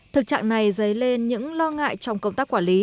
thực trạng này dấy lên những lo ngại trong công tác quản lý